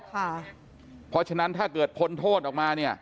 เพราะฉะนั้นถ้าเกิดพ้นโทษออกมาเนี่ย